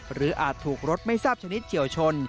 อาจถูกรถไม่ทราบชนิดเฉียวชน